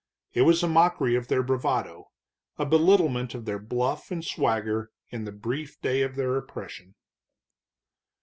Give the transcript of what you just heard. It was a mockery of their bravado, a belittlement of their bluff and swagger in the brief day of their oppression.